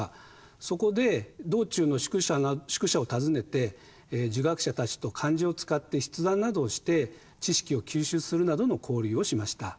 そこで道中の宿舎を訪ねて儒学者たちと漢字を使って筆談などをして知識を吸収するなどの交流をしました。